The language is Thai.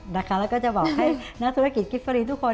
แล้วก็จะบอกให้นักธุรกิจกิฟเฟอรีนทุกคน